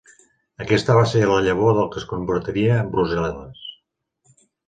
Aquesta va ser la llavor del que es convertiria en Brussel·les.